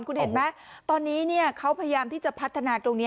คุณเห็นไหมตอนนี้เขาพยายามที่จะพัฒนาตรงนี้